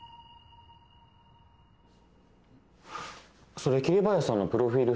それ桐林さんのプロフィルっすか？